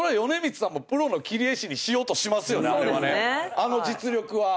あの実力は。